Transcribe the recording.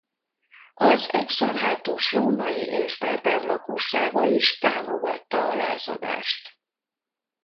Az Exarchátus római és berber lakossága is támogatta a lázadást.